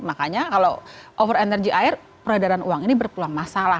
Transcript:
makanya kalau over energy air peredaran uang ini berpeluang masalah